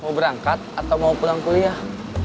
mau berangkat atau mau pulang kuliah